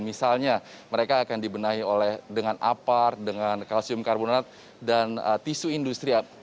misalnya mereka akan dibenahi oleh dengan apar dengan kalsium karbonat dan tisu industri